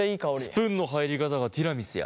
スプーンの入り方がティラミスや。